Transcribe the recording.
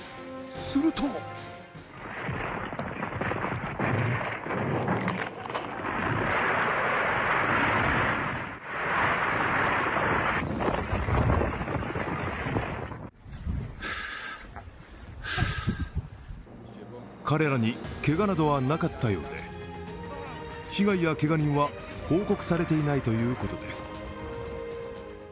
すると彼らに、けがなどはなかったようで、被害やけが人は報告されていないということです。